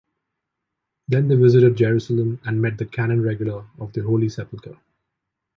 Then they visited Jerusalem and met the Canons Regular of the Holy Sepulchre.